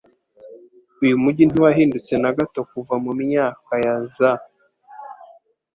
Uyu mujyi ntiwahindutse na gato kuva mu myaka ya za